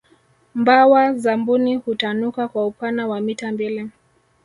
mbawa za mbuni hutanuka kwa upana wa mita mbili